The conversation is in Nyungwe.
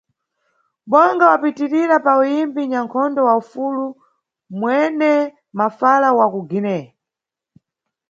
Bonga wapitirira pa uyimbi, nʼnyankhondo wa ufulu - mwene mafala wa ku Guiné.